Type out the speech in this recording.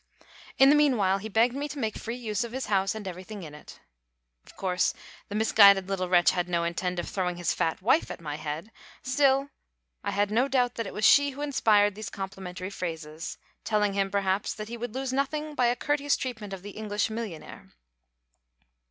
In the meanwhile he begged me to make free use of his house and everything in it. Of course, the misguided little wretch had no intention of throwing his fat wife at my head; still, I had no doubt that it was she who inspired these complimentary phrases, telling him, perhaps, that he would lose nothing by a courteous treatment of the "English millionaire."